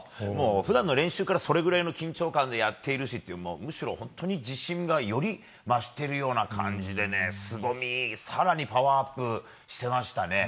普段の練習からそれぐらいの緊張感でやっているしという自信がより増しているような感じですごみ、更にパワーアップしてましたね。